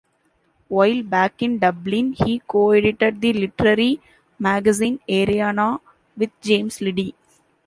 While back in Dublin, he co-edited the literary magazine "Arena" with James Liddy.